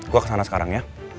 gue kesana sekarang ya